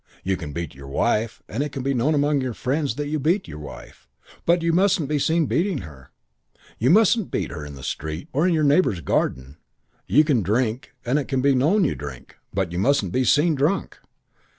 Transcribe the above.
You can beat your wife, and it can be known among your friends that you beat your wife. But you mustn't be seen beating her. You mustn't beat her in the street or in your neighbour's garden. You can drink, and it can be known you drink; but you mustn't be seen drunk.